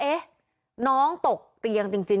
เอ๊ะน้องตกเตียงจริง